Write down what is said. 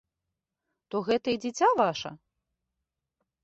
То гэта і дзіця ваша?